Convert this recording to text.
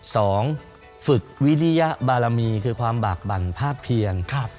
สองฝึกวิริยบารมีคือความบากบั่นภาพเพียง